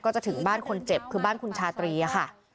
จะถึงบ้านคนเจ็บคือบ้านคุณชาตรีค่ะ